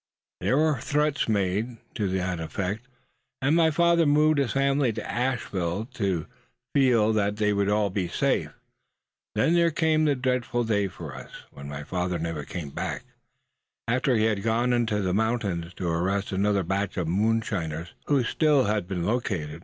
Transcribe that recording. "There were threats made, suh, to that effect; and my father moved his family to Asheville to feel that we would be all safe. Then there came a dreadful day for us, when my father never came back, after he had gone into these mountains to arrest another batch of moonshiners, whose Still had been located.